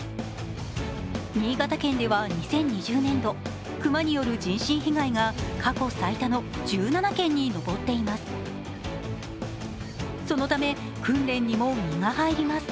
新潟県では２０２０年度、熊による人身被害が過去最多の１７件に上っています。